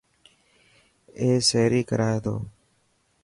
اي سهري ڪرائي تو.